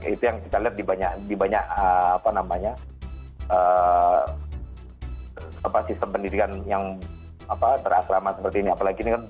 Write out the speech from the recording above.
itu yang kita lihat di banyak sistem pendidikan yang terakrama seperti ini kan